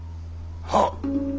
はっ。